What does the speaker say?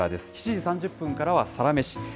７時３０分からはサラメシ。